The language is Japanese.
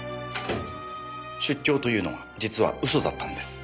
出張というのは実は嘘だったんです。